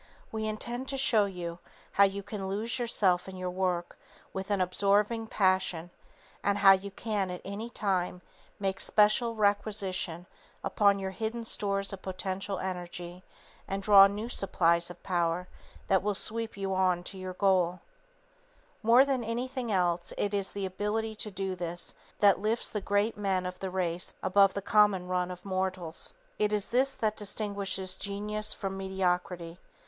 _We intend to show you how you can lose yourself in your work with an absorbing passion and how you can at any time make special requisition upon your hidden stores of potential energy and draw new supplies of power that will sweep you on to your goal._ [Sidenote: Genius and the Master Man] More than anything else, it is the ability to do this that lifts the great men of the race above the common run of mortals. It is this that distinguishes genius from mediocrity.